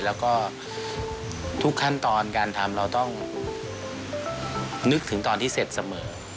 แล้วก็ทุกขั้นตอนการทำเราต้องนึกถึงตอนที่เสร็จเสมอ